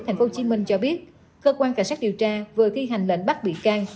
thành phố hồ chí minh cho biết cơ quan cảnh sát điều tra vừa thi hành lệnh bắt bị can